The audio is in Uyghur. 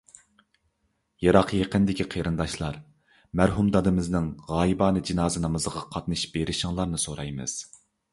يىراق-يېقىندىكى قېرىنداشلار، مەرھۇم دادىمىزنىڭ غايىبانە جىنازا نامىزىغا قاتنىشىپ بېرىشىڭلارنى سورايمىز.